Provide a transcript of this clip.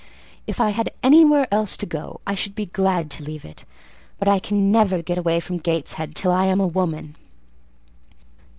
"If I had anywhere else to go, I should be glad to leave it; but I can never get away from Gateshead till I am a woman."